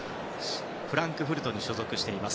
フランクフルトに所属しています。